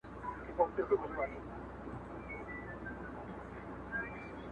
څارنوال سو په ژړا ویل بابا جانه,